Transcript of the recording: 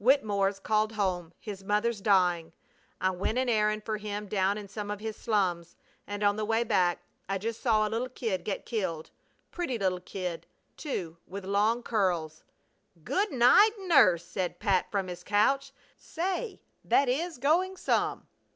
Wittemore's called home. His mother's dying. I went an errand for him down in some of his slums and on the way back I just saw a little kid get killed. Pretty little kid, too, with long curls!" "Good night nurse!" said Pat from his couch. "Say, that is going some!"